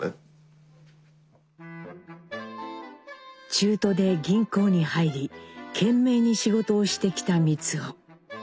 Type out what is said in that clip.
中途で銀行に入り懸命に仕事をしてきた光男。